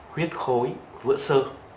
huyết khối vữa sơ